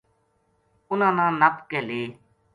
اَنھاں نا نَپ کے لے